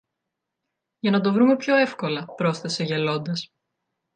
για να το βρούμε πιο εύκολα, πρόσθεσε γελώντας.